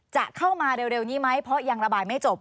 จะเข้ามาเร็วนี้ไหมเพราะยังระบายไม่จบ